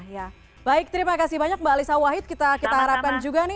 ya baik terima kasih banyak mbak alisa wahid kita harapkan juga nih